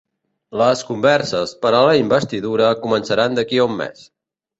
Les converses per a la investidura començaran d'aquí a un mes